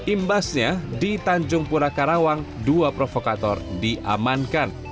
imbasnya di tanjung pura karawang dua provokator diamankan